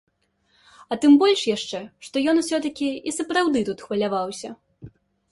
А тым больш яшчэ, што ён усё-такі і сапраўды тут хваляваўся.